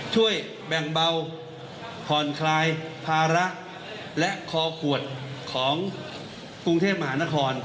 ช่วยแบ่งเบาผ่อนคลายภาระและคอขวดของกรุงเทพมหานคร